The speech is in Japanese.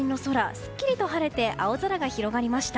すっきりと晴れて青空が広がりました。